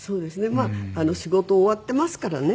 まあ仕事終わってますからね。